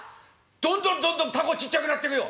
どんどんどんどん凧ちっちゃくなってくよ。